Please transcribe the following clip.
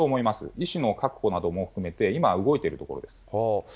医師の確保なども含めて、今、動いているところです。